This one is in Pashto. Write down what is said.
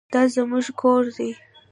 دا زموږ کور دی